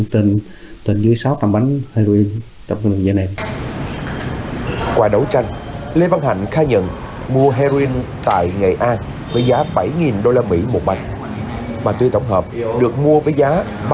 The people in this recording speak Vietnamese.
thu dự ba mươi hai bánh heroin một kg ma túi đá